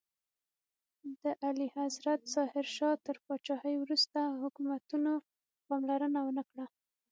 د اعلیحضرت ظاهر شاه تر پاچاهۍ وروسته حکومتونو پاملرنه ونکړه.